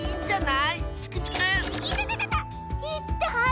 いったい！